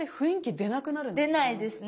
出ないですね。